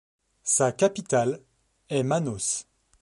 Sa capitale est Manaus.